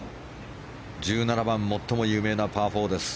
１７番、最も有名なパー４です。